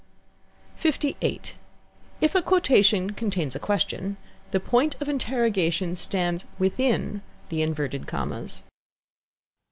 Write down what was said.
LVIII. If a quotation contains a question, the point of interrogation stands within the inverted commas.